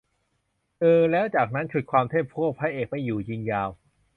อือ แล้วจากนั้นฉุดความเทพพวกพระเอกไม่อยู่ ยิงยาว